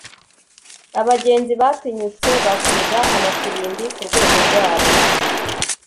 Abagenzi batinyutse bavuza amafirimbi kurwego rwabo